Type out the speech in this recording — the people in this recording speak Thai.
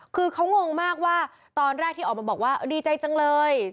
คือเขางงมากว่าตอนแรกที่ออกมาบอกว่าดีใจจังเลย